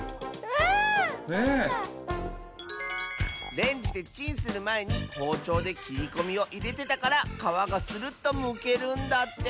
レンジでチンするまえにほうちょうできりこみをいれてたからかわがスルッとむけるんだって。